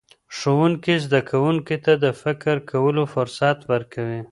ښوونکی زدهکوونکي ته د فکر کولو فرصت ورکوي.